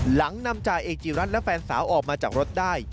หลังนำจ่าเอกจิรัตน์และแฟนสาวออกมาจากรถได้